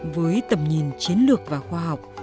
với tầm nhìn chiến lược và khoa học